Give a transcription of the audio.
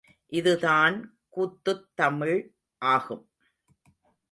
இதுதான் கூத்துத் தமிழ் ஆகும்.